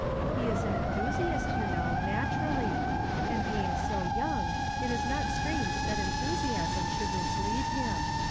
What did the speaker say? He is an enthusiast, you know, naturally; and being so young, it is not strange that enthusiasm should mislead him.